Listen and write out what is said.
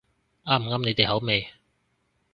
啱唔啱你哋口味